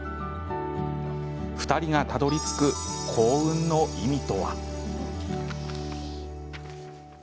２人がたどりつく幸運の意味とは？